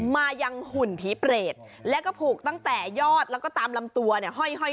มายังหุ่นผีเปรตแล้วก็ผูกตั้งแต่ยอดแล้วก็ตามลำตัวเนี่ยห้อย